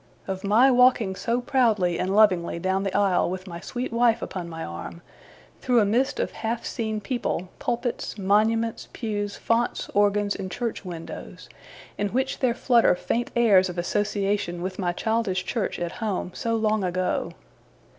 Of my walking so proudly and lovingly down the aisle with my sweet wife upon my arm, through a mist of half seen people, pulpits, monuments, pews, fonts, organs, and church windows, in which there flutter faint airs of association with my childish church at home, so long ago.